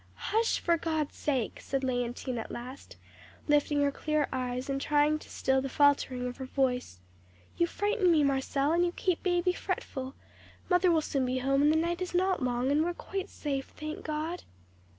"'Hush, for God's sake!' said Léontine at last, lifting her clear eyes, and trying to still the faltering of her voice. 'You frighten me, Marcelle, and you keep baby fretful. Mother will soon be home, and the night is not long, and we are quite safe, thank God.'